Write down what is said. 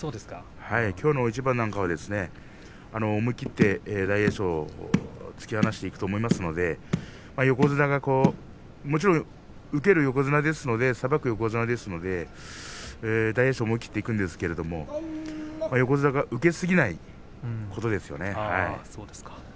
きょうの一番なんかは思い切って大栄翔突き放していくと思いますので横綱が受ける横綱ですのでさばく横綱ですので大栄翔も思いきっていくんですが横綱が受けすぎないことですよね。